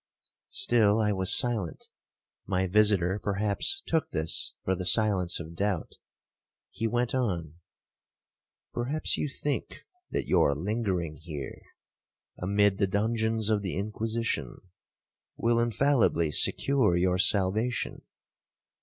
Still I was silent;—my visitor perhaps took this for the silence of doubt. He went on. 'Perhaps you think that your lingering here, amid the dungeons of the Inquisition, will infallibly secure your salvation.